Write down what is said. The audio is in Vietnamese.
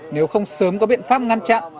nếu không sớm có biện pháp ngăn chặn